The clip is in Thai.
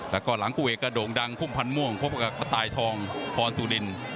แล้วก็หลังคู่เอกกระโด่งดังพุ่มพันธ์ม่วงพบกับกระต่ายทองพรสุริน